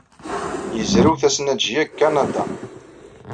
Yezrew tasnajya deg Kanada.